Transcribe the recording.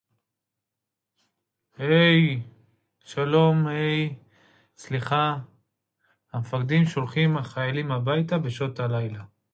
המפקדים שולחים חיילים הביתה בשעות הלילה